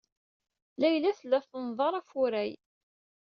Layla tella tenḍerr afurray.